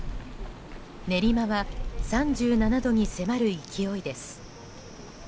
練馬は３７度に迫る勢いです。